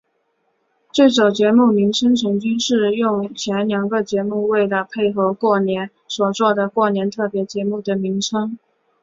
最早节目名称曾经是用前两个节目为了配合过年所做的过年特别节目的名称。